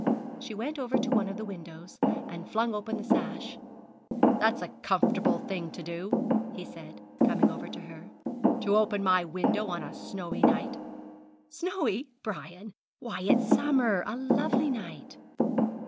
She went over to one of the windows, and flung open the sash. 'That's a comfortable thing to do,' he said, coming over to her, 'to open my window on a snowy night.' 'Snowy, Brian! Why, it's summer a lovely night!'